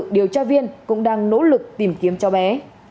điều tra viên cũng đang nỗ lực tìm kiếm cho bé